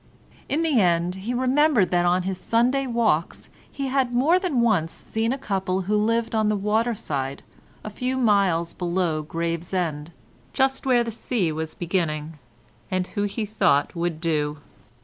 In the end he remembered that on his Sunday walks he had more than once seen a couple who lived on the waterside a few miles below Gravesend, just where the sea was beginning, and who he thought would do.